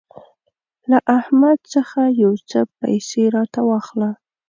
له احمد څخه يو څو پيسې راته واخله.